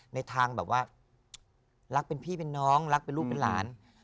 ในทางแบบว่ารักเป็นพี่เป็นน้องรักเป็นลูกเป็นหลาน